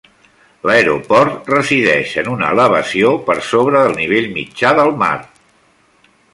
L'aeroport resideix en una elevació de per sobre del nivell mitjà del mar.